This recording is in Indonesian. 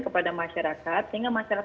kepada masyarakat sehingga masyarakat